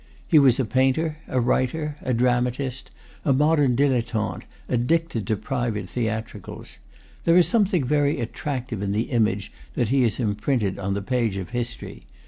He was a painter, a writer, a dramatist, a modern dilettante, addicted to private theatricals. There is something very attractive in the image that he has imprinted on the page of history.